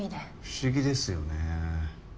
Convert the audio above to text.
不思議ですよねぇ。